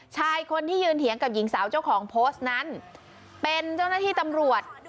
ชายคนที่ยืนเถียงกับหญิงสาวเจ้าของโพสต์นั้นเป็นเจ้าหน้าที่ตำรวจ